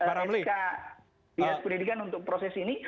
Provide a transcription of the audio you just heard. sk bias pendidikan untuk proses ini